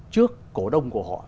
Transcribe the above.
trước cổ đông của họ